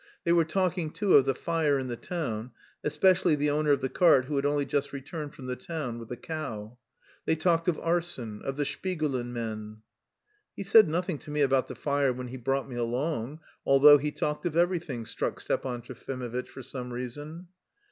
They were talking too of the fire in the town, especially the owner of the cart who had only just returned from the town with the cow. They talked of arson, of the Shpigulin men. "He said nothing to me about the fire when he brought me along, although he talked of everything," struck Stepan Trofimovitch for some reason.